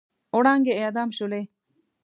وړانګې اعدام شولې